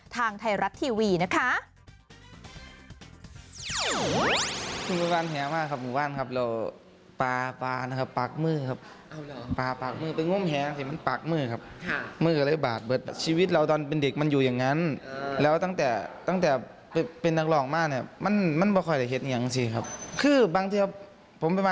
ทางไทยรัฐทีวีนะคะ